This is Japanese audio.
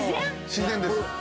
自然です。